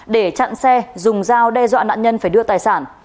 để chặn xe dùng dao đe dọa nạn nhân phải đưa tài sản